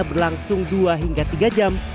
berlangsung dua hingga tiga jam